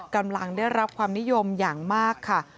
กำลังได้รับความนิยมอย่างมากค่ะ